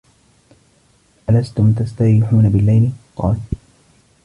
أَلَسْتُمْ تَسْتَرِيحُونَ بِاللَّيْلِ ؟ قَالُوا